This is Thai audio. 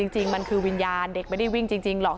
จริงมันคือวิญญาณเด็กไม่ได้วิ่งจริงหรอก